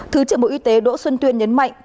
thứ trưởng bộ y tế đỗ xuân tuyên nhấn mạnh